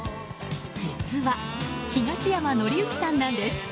実は、東山紀之さんなんです。